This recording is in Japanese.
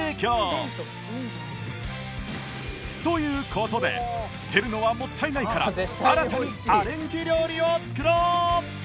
という事で捨てるのはもったいないから新たにアレンジ料理を作ろう！